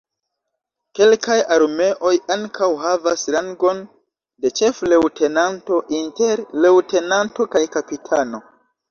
Kelkaj armeoj ankaŭ havas rangon de ĉef-leŭtenanto inter leŭtenanto kaj kapitano.